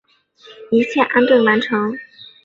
一切安顿完成